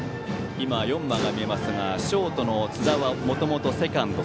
４番が見えますがショートの津田はもともとセカンド。